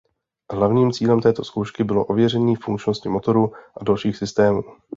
Hlavním cílem této zkoušky bylo ověření funkčnosti motorů a dalších systémů.